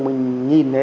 mình nhìn là